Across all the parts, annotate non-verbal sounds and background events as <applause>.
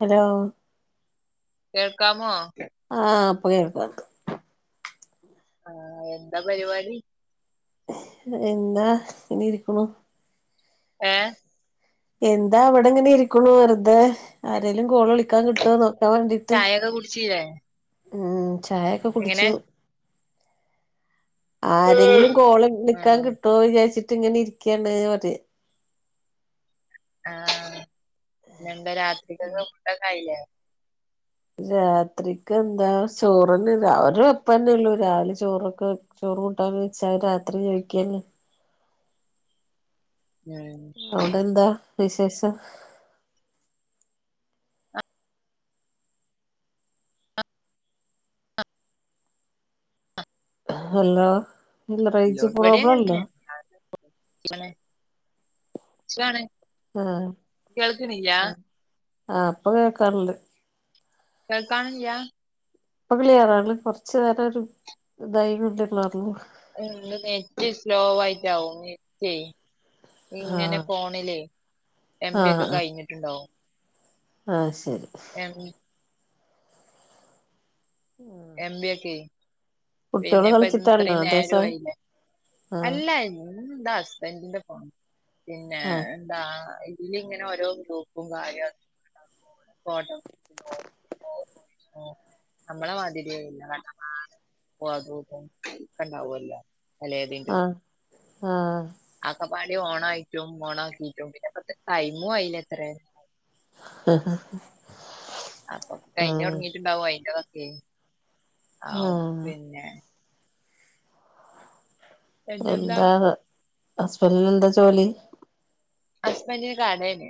Hello കേൾക്കാമോ? ആഹ് ഇപ്പൊ കേൾക്കാണ്ട്. ആഹ് എന്താ പരിപാടി എന്താ ഇങ്ങനെ ഇരിക്കണു ഏഹ് എന്താ ഇവടെങ്ങനെ ഇരിക്കണു വെറുതെ ആരേലും കോള് വിളിക്കാൻ കിട്ടോ ന്നൊ ചായയൊക്കെ കുടിച്ചീല്ലേ ഉം ചായൊക്കെ എങ്ങനെ കുടിച്ചു. ആരെങ്കിലും കോള് ആ നിക്കാൻ കിട്ടോ വിചാരിച്ചിട്ട് ഇങ്ങനെ ഇരിക്കാണ് <unintelligible> ആഹ് പിന്നെന്താ രാത്രികൊക്കെ ഫുടൊക്കെ ആയില്ലേ രാത്രിക്ക് എന്താ ചോറെന്നെ ആഹ് ഒര് വെപ്പന്നെ ഉള്ളു രാവിലെ ചോറൊക്കെ ചോറു കൂട്ടാനും വെച്ചാ രാത്രി കഴിക്കന്നെ ഉം അവിടെന്താ വിശേഷം ഹലോ ഇല്ല റേഞ്ച് പ്രോബ്ലം ഇല്ലാ <unintelligible> സുഗാണ് ആഹ് ആഹ് ആഹ് ഇപ്പൊ കേക്കാറ്ണ്ട്. കേൾക്കാണില്ല ഇപ്പൊ ക്ലിയറാണ് കൊറച്ചു നേരം ഒരു ഇതായി <unintelligible> ഉം ന്റെ നെറ്റ് സ്ലോ ആയിട്ടാവും നെറ്റേ ഇങ്ങനെ ആഹ് ഫോണിലേ എംബി ഒക്കെ ആഹ് കഴിഞ്ഞിട്ടുണ്ടാവും. ആഹ് ശരി എം എംബിയൊക്കെ കുട്ടികള് പിന്നെപ്പ ഇത് കളിച്ചിട്ടാണല്ലോ ഇത്രയും ദേശം നേരായില്ലേ ആഹ് അല്ലായി ഇ <unintelligible> ഹസ്ബൻഡ്ന്റെ ഫോൺ പിന്നെ ആഹ് എന്താ ഇതിലിങ്ങനെ ഓരോ ഗ്രൂപ്പും കാര്യ <unintelligible> നമ്മളെ മാതിരി <unintelligible> ആഹ് ആഹ് ആ കപാടി ഓണായിട്ടും ഓണ ആക്കിട്ടും പിന്നെപ്പ ടൈമും ആയില്ല ഇത്ര ഉം ഉം അപ്പൊ കഴിഞൊടങ്ങീട്ട്ണ്ടാവും അയിന്റെതൊക്കെ ആഹ് പിന്നെ പിന്നെന്താ എന്താ ഹസ്ബന്റിനെന്താ ജോലി ഹസ്ബന്റിന് കടേണ്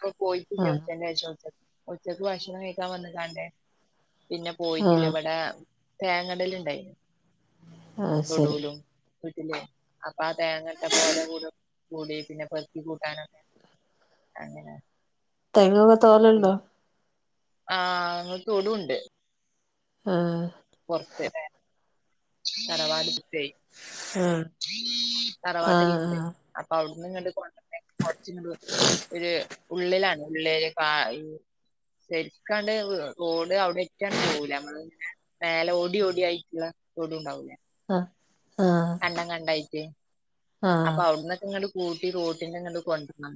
പ്പം പൊയ്റ്റില്യാ ആഹ് ഉച്ചന്റേഷം ഉച്ചക്ക് ഭക്ഷണം കഴിക്കാൻ വന്ന്ങ്ങാ ണ്ട് പിന്നെ പോയിട്ടില്ല ആഹ് ഇവിടെ തേങ്ങടല്ണ്ടായി ആഹ് ശരി തൊടൂലും വീട്ടില് അപ്പൊ ആ തേങ്ങട്ട പോലെ കൂടി പിന്നെ പെറുകി കൂട്ടാനൊക്കെ അങ്ങനെ തെങ്ങൊക്കെ തോലുണ്ടോ ആഹ് അങ്ങ് തൊടുണ്ട് ആഹ് പൊറത്ത്ലേ തറവാടിന്റെടുത് ആഹ് തറവാട്ടില്ണ്ട് ആഹ് അപ്പൊ അവിടന്ന് ങ്ങട്ട് കൊണ്ടര്ണ്ടെ കുറച്ചൂ ഒരു ഉള്ളിലാണ്ഉള്ളെല് ശരിക്കാണ്ട് റോഡ് അവിടെറ്റാണ് പോവൂല നമ്മള് മേലെ ഓടി ഓടി ആയിട്ടുള്ള തൊടു ണ്ടാവൂല്ല ആഹ് ആഹ് കണ്ടം കണ്ടായിട്ട് ആഹ് അപ്പൊ അവിടന്നൊക്കെ ങ്ങട്ട് കൂട്ടി റോട്ടിന്റെങ്ങട്ട് കൊണ്ടര്ണം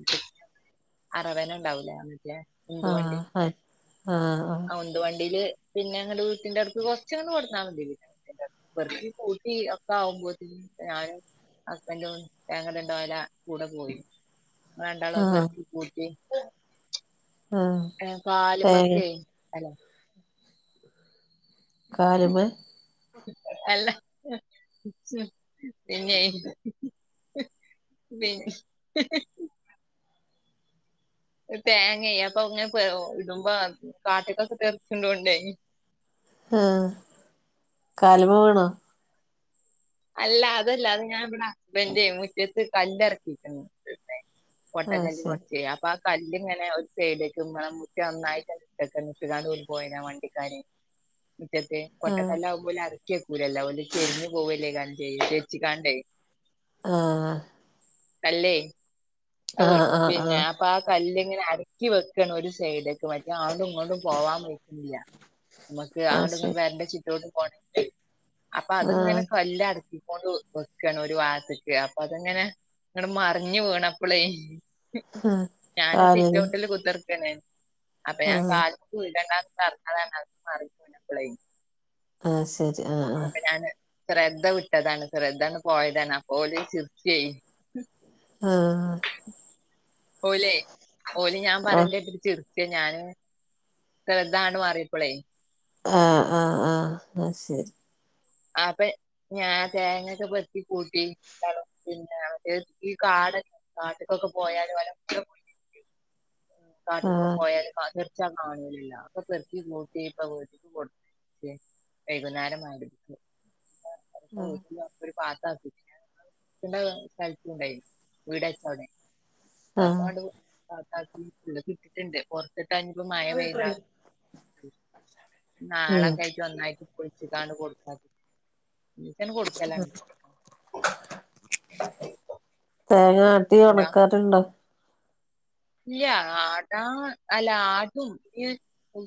അറവന ണ്ടാവൂലേ ആ മറ്റേ ഉന്തു ആഹ് വണ്ടി ആഹ് ആഹ് ആ ഉന്ത് വണ്ടീല് പിന്നെ ങ്ങട്ട് വീട്ടിന്റെ അടുത്ത് കൊറച്ചങ്ങട്ട് കൊട്ന്നാമതി പെർക്കി കൂട്ടി ഒക്കെ ആകുമ്പോക് ഞാനും ഹസ്ബന്റും തേങ്ങട്‌ണ്ടോലെ കൂടെ പോയി ഞങ്ങള് രണ്ടാളും അത് ആഹ് പെറ്ക്കികൂട്ടി ആഹ് തേങ്ങ കാല്മക്ക് കാല്മ്മെ അല്ല പിന്നെ പി തേങ്ങ അപ്പംങ്ങനെ ഇടുമ്പ കാട്ട്ക്കൊക്കെ തെറിക്ക്ണതോണ്ട് ഉം കാല്മ്മ വീണൊ അല്ല അതല്ല അത് ഞാൻ ഇവിടെ ഹസ്ബന്റ് മുറ്റത്ത് കല്ലറ്ക്കീക്ക്ന് കൊട്ട ആഹ് തേങ്ങ ശരി പറിച്ച് കല്ല്ങ്ങനെ ഒരു സൈഡ് നന്നായിട്ട്ക്കെ നട്ടാണ്ട് പോ പോയി വണ്ടിക്കാര് മിറ്റത്ത് ആഹ് ഒറ്റക്കല്ല് ആകുമ്പോള് അറക്കിയക്കൂലല്ല ഓല് ചെരിഞ്ഞ പോവലേ കല്ല് തേച്ചക്കേണ്ട്. ആഹ് കല്ലേ ആഹ് പിന്നെ പ്പാ കല്ല് ങ്ങനെ അടക്കി വെക്കാണ് ഒരു സൈഡ്ക്ക് മറ്റേത് അങ്ങട്ടും ഇങ്ങട്ടും പോവാൻ കയ്യൂല മ്മക്ക് ആഹ് ആണ്ടും ഇങ്ങടും ശരി പെരന്റെചിറ്റോഡിറ്റും അപ്പത്ങ്ങനെ ആഹ് കല്ലാണ് ഒന്ന് വെക്കാണ് ഒരുഭാഗത്‌ക്ക് അപ്പൊ അത്‌ങ്ങനെ ങ്ങട്ട് മറിഞ് വീണപ്പള് ആഹ് ഞാനും കാലിന് സിറ്റൗട്ടില് കുത്തർക്കാണ് അപ്പം ഞാൻ ആഹ് കാല് ക്ക് വിളിച്ചണ്ടാന്ന് പറഞതാണ് മാറി പോയപ്പള ആഹ്ശരി ആഹ് അപ്പ ഞാന് ശ്രദ്ധ വിട്ടതാണ് ശ്രദ്ധയാണ് പോയതാണ്അപ്പ ഓര് ചിരിച്ചേ ആഹ് ഓലെ ഓല് ഞാൻ ആഹ് പറയ്ണ്ടേട്ട്ട്ട് ചിറി ച്യാ ഞാന് ശ്രദ്ധ ആണ്ട് മാറിയപ്പള് ആഹ് ആഹ് ആഹ് ആഹ് ശരി അബ് ഞാൻ തേങ്ങൊക്കെ പെർക്കി കൂട്ടി ണ്ടാളും പിന്നെ ഈ കാടൊക്കെ കാട്ട്ക്കൊക്കെ പോയാല് ഓലൊക്കെ <inaudible> കാട്ട്കൂടെപോയാൽ കാറ്റ ടിച്ചാ കാണാലില്ല. ഒക്കെ പെർക്കി കൂട്ടിഇപ്പൊ വീട്ട്ക്ക് വൈകുന്നേരം മഹ്രിബിക്ക് ആഹ് <unintelligible> ഒരു പാട്ട അർത്. പിന്നെ സ്ഥലത്ത് ണ്ടായിരുന്നു വീടചോന് ആഹ് <unintelligible> പുറത്തിട്ടാ ഇഞ്ഞിപ്പോ മഴ പെയ്താ ഉം ഉം നാളെക്കായറ്റ് ഒന്നായിട്ട് പൊ ളിച്ച്കാണ്ട് ട് കൊടുക്കാച്ച് ഒന്നിച്ചൺ കൊടുക്കലാണത് തേങ്ങാട്ടി അല്ല ഉണക്കാരുണ്ടോ ഇല്ല ആട്ടാ അല്ല ആട്ടും ഈ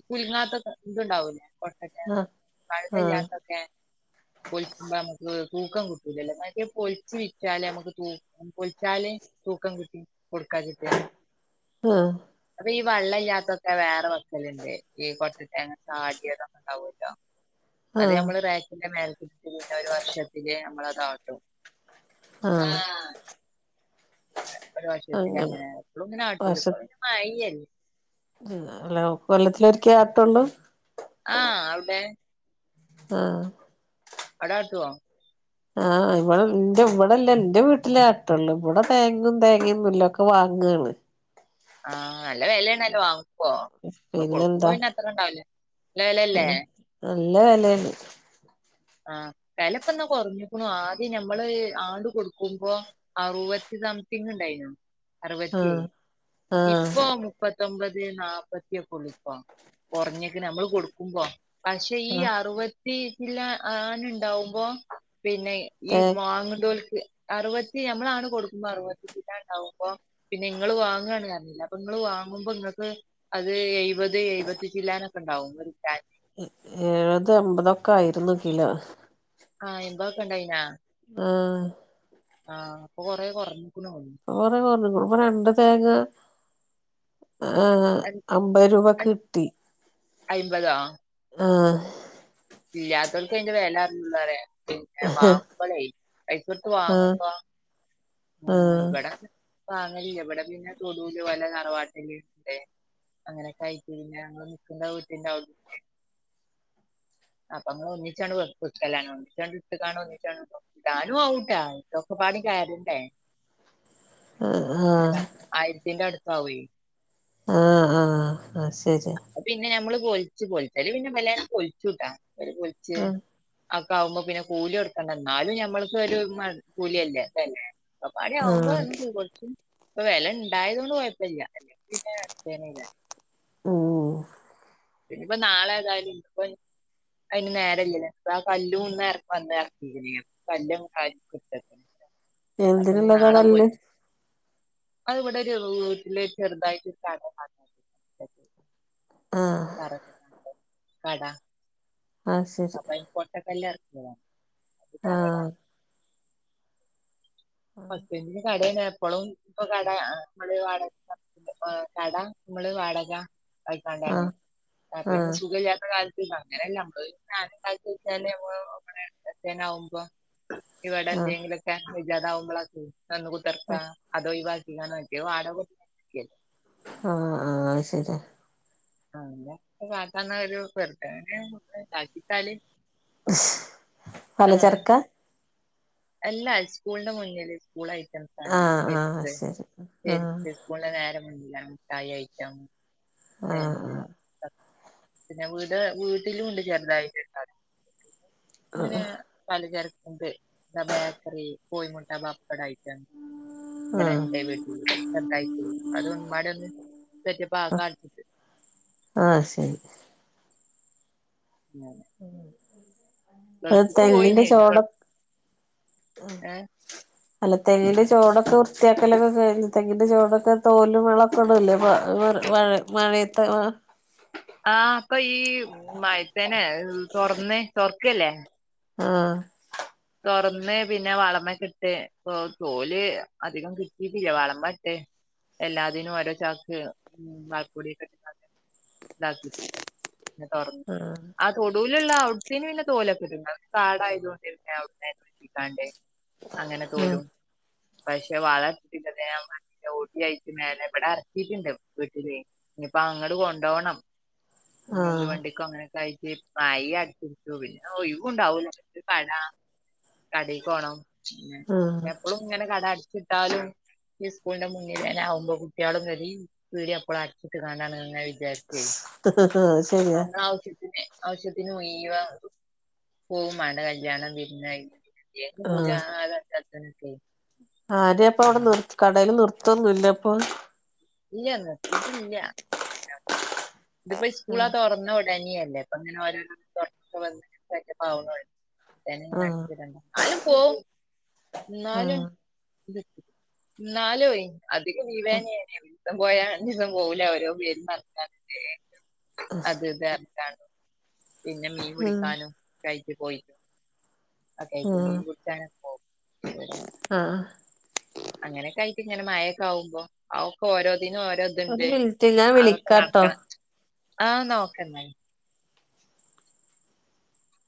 കുലുങ്ങാത്തൊക്കെ ഇതുണ്ടാവില്ല കൊട്ട തേങ്ങ ആഹ് ആഹ് പയകല്ലാത്തതേങ്ങ പൊളിക്കുമ്മക്ക് തൂക്കം കിട്ടൂലല്ലോ മറ്റെ പൊലിച്ച് വിറ്റല് നമുക്ക് തൂ ഉം പൊളിച്ചാല് തൂക്കം കിട്ടും കൊടുക്കാച്ചിട്ട് ആഹ് അപ്പൊ ഈ വെള്ളല്ലാത്തൊക്കെ വേറെ വക്കല്ണ്ട്. ഈ കൊട്ടതേങ്ങ ചാടിയാതൊ‌ക്കെ ണ്ടാവോലോ <inaudible> അത് ആഹ് നമ്മള് റാക്കിന്റെ മേൽകിട്ടിട്ട് ഒരു വർഷത്തില് നമ്മൾ അതാട്ടും ആഹ് ഒരു അങ്ങനെ വർഷത്തിലങ്ങനെ എപ്പളു വർഷ ങ്ങനാട്ടൂലപ്പൊ പിന്നെ മഴീ അല്ലേ അല്ല കൊല്ലത്തിലൊ രി‌ക്കെആട്ടുള്ളൂ ആഹ് അവിടെ ആഹ് അവടാട്ടോ ആഹ് ഇവിടെ ന്റെവ്ടെല്ല ന്റെ വീട്ടിലെ ആട്ടള്ളൂ. ഇവിടെ തേങ്ങും തേങ്ങൊന്നുല്ല ഒക്കെ വാങ്ങാണ് ആഹ് നല്ല വിലയണല്ലോ വാങ്ങ് മ്പോ പ്പ കൊടുക്കുമ്പോ പിന്നെന്താ പിന്നെ അത്ര ഉണ്ടാവല് ല്ല ല്ല വെലല്ലേ ഏഹ് നല്ല വെലേണ് ആഹ വെലപ്പന്നാ കുറഞ്ക്കുണു ആദ്യം ഞമ്മള് ആണ്ട് കൊടുക്കുമ്പോ അറുവത്തി സംതിങ് ഉണ്ടായിരുന്നു. ആഹ് ആഹ് അറുവത്തിഇപ്പൊ മു പ്പത്തൊമ്പത് നാപ്പത്തിയൊക്ക ഉള്ളൂ പ്പൊ കുറഞ്ക്ക്ണ് നമ്മള് കൊടുക്കുമ്പോ പക്ഷെ ഈ ആഹ് അറുപത്തി ചില്ലാ ആന് ണ്ടാകുമ്പോ പിന്നെ ഈ തേ വാങ്ങ്ഡോല്ക്ക് അറുപത്തി ഞമ്മളണട്ട് കൊടുക്കുമ്പോ അറുപത്തി ചില്ലാനണ്ടാവുമ്പോ കട്ടണ്ടാവുമ്പോ പിന്നെ ങ്ങൾ വാങ്ങാണ് അറിഞ്ഞില്ലേ അപ്പൊ ങ്ങ വാങ്ങുമ്പോ ങ്ങക്ക് അത് എയ് പത് എഴുപത്തി ച്ചില്ലാനൊക്കെ ഉണ്ടാവും ഒര് ഏഴപത് എമ്പതൊക്കെ ആയിരുന്നു കിലോ ആഹ എമ്പയൊക്കെ ഉണ്ടായിനാ ആഹ് ആഹ് പ്പൊ കൊറേ കുറഞ്ഞ് ക്കുണോണുണ് പ്പ കുറ കുറഞ്കുണു. ഇപ്പ രണ്ട് തേങ്ങക്ക് ഏ അൻ അമ്പത് രൂപക്ക് അൻ കിട്ടി അയ്മ്പതോ ആഹ് ഇല്ലാതോൽ‌ക്ക യിന്റെ വേലറിള്ളൂ റ പിന്ന വാങ്ങുമ്പളേയ് പൈസോട്ത്ത് ആഹ് വാങ്ങുമ്പോ ആഹ് ആഇവിടെ ക് വാങ്ങലില്ല ഇവിടെ പിന്നെ തൊടുല്ഓലെ തറവാട്ടില് ണ്ട് അങ്ങനെക്കായിറ്റ് പിന്നെഞങ്ങള് നിക്കുന്ന വീട്ടിണ്ടവട് അപ്പൊങ്ങള് ഒന്നിച്ചങ് വെ വിക്കലാണ്. ഒന്നിച്ചങ്ട്ട് കാണ്ട് ഒന്നിച്ചങ് <unintelligible> ടാനുആവുട്ടാ ഇതൊക്കെ പാടീം കയറയണ്ടേ അ ഹാ ആയിരത്തിന്റടുത്താവെ ആഹ് ആഹ് ആ ശരി പിന്നെ നഞമ്മള് പൊലിച്ച് പൊളിച്ചല് പിന്നെ വല്ല പൊലിച്ചുട്ടാ പൊലിച്ച് ആഹ് ഒക്കെ ആകുമ്പോ പിന്നെ കൂലി എടുക്കേണ്ട എന്നാലും മ്മക്ക് ഒരു കൂലിയല്ലേ <unintelligible> ആഹ് ഇപ്പൊ വില ഉണ്ടായത് കൊണ്ട് കുഴപ്പമില്ല പിന്നെ <unintelligible> ഉം പിന്നയിപ്പ നാളെ ഏതായാലും ഇ ഇപ്പ അതിന് നേരല്ലേ അപ്പൊ ആ കല്ലല്ന്ന് ഇവന്ന് ഇറക്ക <unintelligible> കല്ല് <unintelligible> എന്തിനുള്ളത കല്ല് അത് ഇവിടെ ഒരു വീട്ടില ചെറുതായിട്ട് ഒരു കട <unintelligible> ആഹ് കട ആഹ് ശരി അപ്പ ഈ പൊട്ടക്കല്ല് ഇറക്ക ആഹ് തറടാൻ പത്തന് കടന്ന എപ്പോഴും ഇപ്പൊ കട <unintelligible> കട നമ്മള് വാടക വക്കാണ്ടാണ് ആഹ് പിന്നെ ആഹ് സുഖല്ല്യത്ത കാലത്ത് അങ്ങനെല്ല നമ്മ ഞാന എന്താച്ചാല് നമ്മ എത്തേന ആകുമ്പോ ഇവടെ ആഹ് എന്തെങ്കിലുക്കെ <unintelligible> നന്ന് കുത്തിർക്കാ അതോ ഒയിവാക്കി <unintelligible> <unintelligible> ആഹ് ആഹ് ശരി ആല്ല കാട്ടന്ന ഒരു പെറുട്ടങ്ങന <unintelligible> പലചരക്ക അല്ലാ സ്കൂളിന്റെ മുന്നിൽ സ്കൂൾ ഐറ്റംസ്ണ് ആഹ് ആഹ് ചെപ്പ് ശരി ആഹ് ചെരിപ്പ് സ്കൂൾൻ്റെ <unintelligible> എല്ല മിഠായി ഐറ്റം ആഹ് പിന്നെ പിന്നെ വീട് വീട്ടിലുണ്ട് ചെറുതായിട്ട അങ്ങനെ ആഹ് പലചരക്കുണ്ട് ബേക്കറി കോയിമുട്ട പപ്പട ഐറ്റം ആഹ് ഇവടെണ്ട് വീട്ടില് ചേർതായിട്ട് അതൊന്നുംപാടെ ഒന്ന് സെറ്റ് അപ് ആകാണ്ട് ആഹ് ശരി ആഹ് <unintelligible> തെങ്ങിന്റെ പോയിനേനു ചോട ഗൾ ഏഹ് <inaudible> അല്ല തെങ്ങിന്റെ ചോടൊക്കെ വൃത്തിയാക്കലൊക്കെ കഴ തെങ്ങിന്റെ ചോടൊക്കെ തോലും വളൊക്കെ ഇടല്ലേ <unintelligible> മഴയത് ആഹ് അപ്പൊ ഈ മഴത്തേനെ തുറന്ന് തുറക്കല്ലേ ആഹ് തുറന്ന് പിന്നെ വളമ്പക്കെട്ട് തോല് അധികം കിട്ടിട്ടില്ല വളമ്പ ഇട്ട് എല്ലാത്തിനും ഒര ചാക്ക് ഉ വർക്കൂടിട്ട ഇതാക്കിയിട്ടുണ്ട് <unintelligible> ആഹ് ആ തൊടുവിലുള്ള ഔട്ടത്തന് പിന്ന തോലൊക്കെ ഇണ്ട് കാടായത് കൊണ്ടി <unintelligible> അങ്ങനെ തോലും പക്ഷെ വളർത്തിട്ടി ഊട്ടിയിട്ട മേലെ ഇവിടെ ഇറക്കിയിട്ടുണ്ട് വീട്ടില് ഇനിയിപ്പോ അങ്ങട് കൊണ്ടുപോണം ഇനി എന്ത് ആഹ് വണ്ടിക്കും അങ്ങനൊക്കെഴച്ച് മയും അടത്തിരിക്കു പിന്നെ ഒഴിവുണ്ടാവൂല കട കടക്കോണം പി ആഹ് എപ്പഴും ഇങ്ങനെ കട അടിച്ചിട്ടാലും ഈ സ്കൂളിന്റെ മുന്നിൽ ആകുമ്പോ കുട്ടികളും കറി പീടിക അപ്പള അച്ചിട്ട്ണ്ടാണ് വിജാരി അത് ശരിയാ <unintelligible> ആവശ്യത്തിന് ഒയവ പോവമാണ് കല്യാണം <unintelligible> <unintelligible> ആരേം അപ്പൊ അവിടെ ആഹ് നിർ കടയിൽ നിർത്തൊന്നുംല്ല അപ്പൊ ഇല്ല നിർത്തിട്ടില്ല ഇതിപ്പോ സ്കൂളാ ആഹ് തുറന്ന ഉടനിയല്ലേ അപ്പ അങ്ങനെ ആഹ് <unintelligible> ന്നാലും പോവും എന്നാലും. ആഹ് ന്നാലുവേ അധികം <unintelligible> പോയാ അഞ്ചീസം പോവൂല അവര് വീടിൻ്റെ ആൾക്കാരില്ല്യേ അത് വേറെക്കാണ് പിന്നെ മീൻ പിടിക്കാനും കഴിച്ചു പോയി ആഹ് കഴിച്ച് മീൻ പുടിച്ചാനൊക്കെ പോവും. ആഹ്. അങ്ങനെക്കായിട്ട് ഇങ്ങനെ മഴക്കെ ആവ്മ്പോ അയ് ഒക്കെ ഓരോന്നിനും ഓരോ ഒരു ണ്ട് മിനിറ്റ് ഞാൻ അതൊക്കെ വിളിക്കാട്ടോ നടക്കണം ആഹ് നോക്കണ്ട.